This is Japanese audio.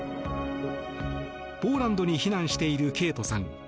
ポーランドに避難しているケイトさん。